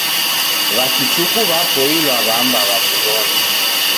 W'akichuku w'apoilwa w'amba w'adiw'ona.